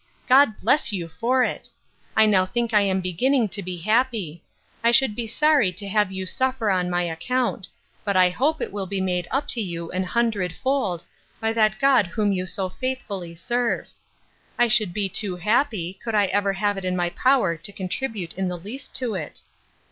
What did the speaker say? God bless you for it! I now think I am beginning to be happy. I should be sorry to have you suffer on my account: but I hope it will be made up to you an hundred fold, by that God whom you so faithfully serve. I should be too happy, could I ever have it in my power to contribute in the least to it.